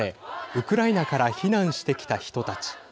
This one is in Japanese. ウクライナから避難してきた人たち。